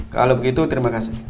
kalau begitu terima kasih